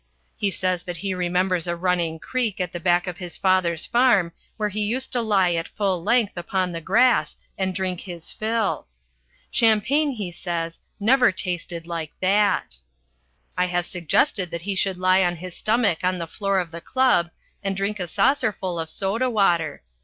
He says that he remembers a running creek at the back of his father's farm where he used to lie at full length upon the grass and drink his fill. Champagne, he says, never tasted like that. I have suggested that he should lie on his stomach on the floor of the club and drink a saucerful of soda water.